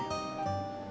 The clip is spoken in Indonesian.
aku harus bisa ngupain dia